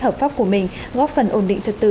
hợp pháp của mình góp phần ổn định trật tự